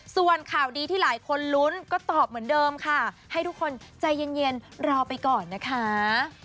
ส่วนข่าวดีที่หลายคนลุ้นก็ตอบเหมือนเดิมค่ะให้ทุกคนใจเย็นรอไปก่อนนะคะ